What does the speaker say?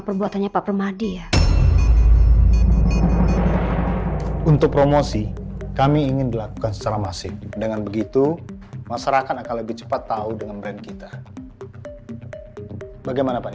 perbuatannya pak permadi ya untuk promosi kami ingin dilakukan secara masing dengan begitu masyarakat akan lebih cepat melewati pembunuhan dan menemukan orang yang lebih baik untuk membuat kekuatan untuk kami